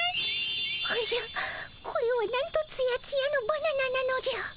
おじゃこれはなんとツヤツヤのバナナなのじゃ。